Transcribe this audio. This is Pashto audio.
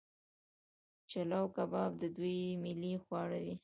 چلو کباب د دوی ملي خواړه دي.